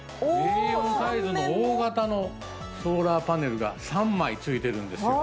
Ａ４サイズの大型のソーラーパネルが３枚付いてるんですよ。